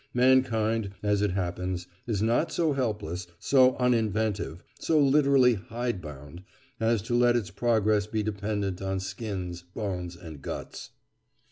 Mankind, as it happens, is not so helpless, so uninventive, so literally "hidebound," as to let its progress be dependent on skins, bones, and guts.